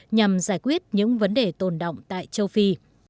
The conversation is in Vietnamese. nhằm giải quyết những vấn đề tồn động tại châu phi